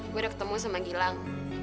gue udah ketemu sama gilang